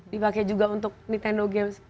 dipake juga untuk nintendo games